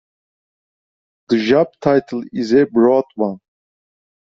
The job title is a broad one.